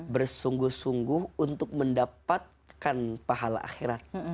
bersungguh sungguh untuk mendapatkan pahala akhirat